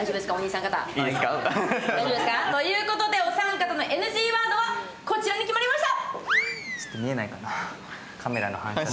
ということでお三方のＮＧワードはこちらに決まりました。